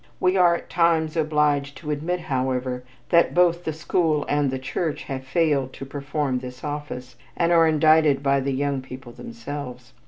We are at times obliged to admit, however, that both the school and the church have failed to perform this office, and are indicted by the young people themselves.